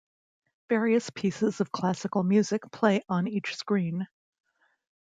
Various pieces of classical music play on each screen.